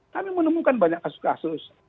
kami menemukan banyak kasus kasus